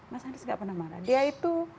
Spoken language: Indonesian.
mas anies gak pernah marah dia itu